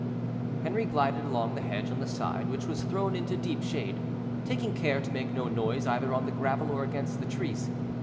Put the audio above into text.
Henri glided along the hedge on the side which was thrown into deep shade, taking care to make no noise either on the gravel or against the trees.